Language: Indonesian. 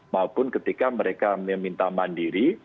maupun ketika mereka meminta mandiri